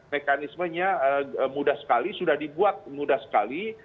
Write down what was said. mekanismenya mudah sekali sudah dibuat mudah sekali